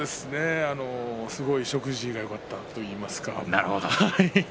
食事がよかったと言いますか。